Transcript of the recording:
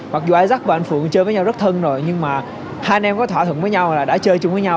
mặc dù ai dắt và anh phượng chơi với nhau rất thân rồi nhưng mà hai anh em có thỏa thuận với nhau là đã chơi chung với nhau